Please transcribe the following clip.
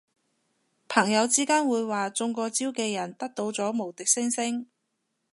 朋友之間會話中過招嘅人得到咗無敵星星